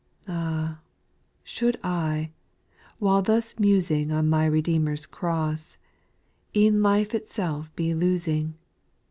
Ah I should I, while thus musing On my Redeemer's cross, E 'en life itself be losing.